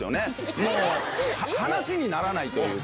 もう、話にならないというか。